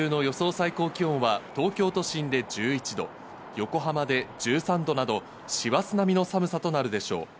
最高気温は東京都心で１１度、横浜で１３度など、師走並みの寒さとなるでしょう。